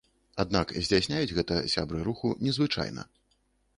Аднак здзяйсняюць гэта сябры руху незвычайна.